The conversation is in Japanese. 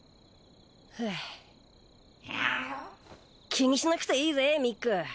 気にしなくていいぜミック。